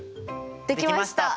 できました！